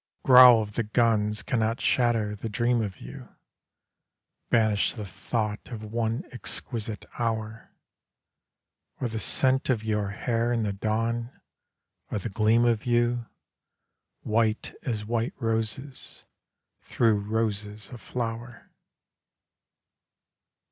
Growl of the guns cannot shatter the dream of you, Banish the thought of one exquisite hour, Or the scent of your hair in the dawn, or the gleam of you White as white roses through roses a flower.